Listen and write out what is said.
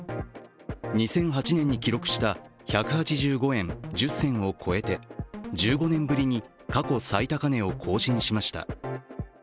２００８年に記録した１８５円１０銭を超えて１５年ぶりに過去最高値を更新しました。